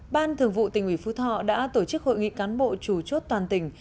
ban thường vụ tỉnh ủy phú thọ đã tổ chức hội nghị cán bộ chủ chốt toàn tỉnh